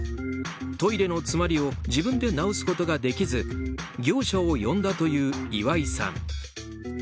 トイレの詰まりを自分で直すことができず業者を呼んだという岩井さん。